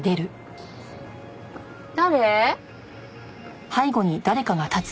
誰？